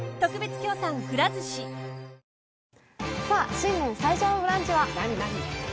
新年最初の「ブランチ」は？